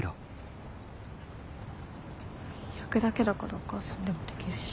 焼くだけだからお母さんでもできるし。